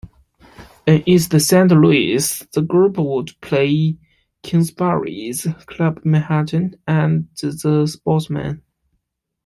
In East Saint Louis, the group would play Kingsbury's, Club Manhattan and The Sportsman.